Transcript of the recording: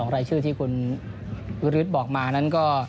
๒รายชื่อที่คุณฮืดบอกมานั้นก็